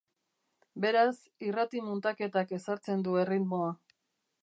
Beraz, irrati-muntaketak ezartzen du erritmoa.